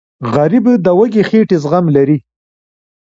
غریب د وږې خېټې زغم لري